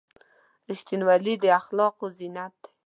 • رښتینولي د اخلاقو زینت دی.